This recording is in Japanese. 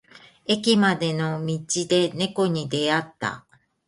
駅までの道で猫に出会った。